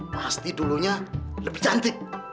pasti dulunya lebih cantik